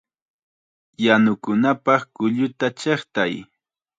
¡Yanukunapaq kulluta chiqtay!